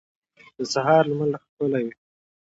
د سهار لمر ښکلی وي.